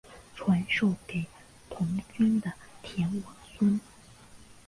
传授给同郡的田王孙。